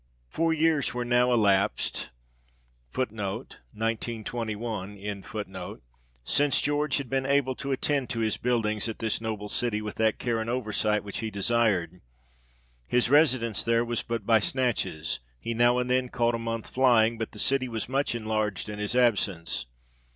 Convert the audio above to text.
Four years were now l elapsed since George had been able to attend to his buildings at this noble city with that care and oversight which he desired. His residence there was but by snatches ; he now and then caught a month flying, but the city was much enlarged in his absence.